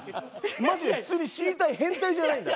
マジで普通に死にたい変態じゃないんだ。